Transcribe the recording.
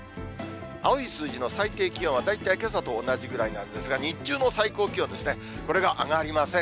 青い数字の最低気温は、大体けさと同じくらいなんですが、日中の最高気温ですね、これが上がりません。